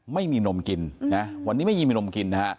ไม่มีนมกินวันนี้ไม่มีนมกิน